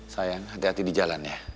sayang hati hati di jalan ya